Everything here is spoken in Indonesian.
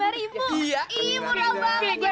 gue in red bunga lu kasih nadia